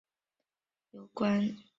公园已向机电工程署通报有关事故。